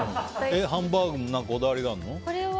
ハンバーグもこだわりがあるの？